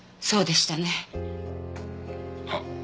そうでしたね。は？